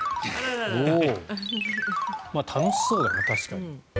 楽しそうだな、確かに。